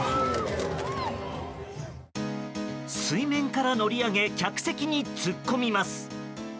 水面から乗り上げ客席に突っ込みます。